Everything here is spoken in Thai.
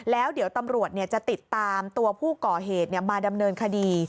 แล้วเดี๋ยวตำรวจจะติดตามตัวผู้ก่อเหตุมาดำเนินคดี